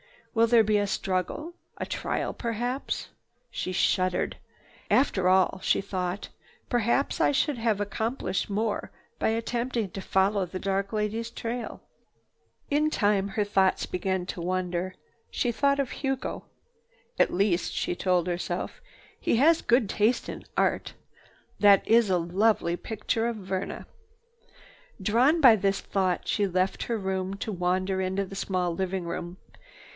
Will there be a struggle, a trial perhaps?" She shuddered. "After all," she thought, "perhaps I should have accomplished more by attempting to follow the dark lady's trail." In time her thoughts began to wander. She thought of Hugo. "At least," she told herself, "he has good taste in art. That is a lovely picture of Verna." Drawn by this thought, she left her room to wander into the small living room.